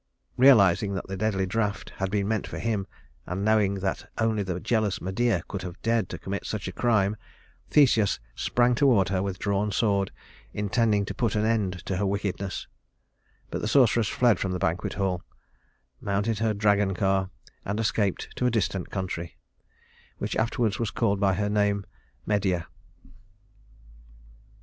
Realizing that the deadly draught had been meant for him, and knowing that only the jealous Medea could have dared to commit such a crime, Theseus sprang toward her with drawn sword, intending to put an end to her wickedness; but the sorceress fled from the banquet hall, mounted her dragon car, and escaped to a distant country, which was afterwards called by her name Media.